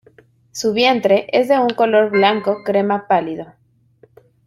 Su vientre es de un color blanco crema pálido.